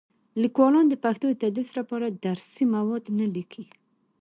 لیکوالان د پښتو د تدریس لپاره درسي مواد نه لیکي.